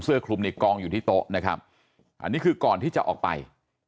คลุมนี่กองอยู่ที่โต๊ะนะครับอันนี้คือก่อนที่จะออกไป